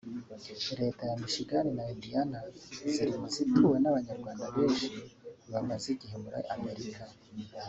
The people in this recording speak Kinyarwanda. Leta ya Michigan na Indiana ziri mu zituwemo n’Abanyarwanda benshi bamaze igihe muri Amerika